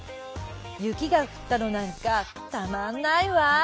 雪が降ったのなんかたまんないわ。